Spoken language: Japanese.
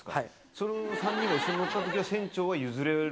その３人が一緒に乗ったときは、船長は譲れる？